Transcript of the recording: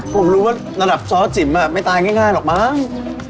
ผมรู้ว่าระดับซอสจิ๋มไม่ตายง่ายหรอกมั้ง